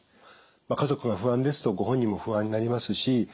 家族が不安ですとご本人も不安になりますし。